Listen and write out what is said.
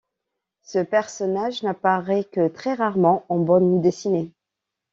Ce personnage n'apparaît que très rarement en bande dessinées.